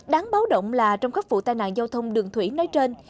đáng báo động là trong các vụ tai nạn giao thông đường thủy nói trên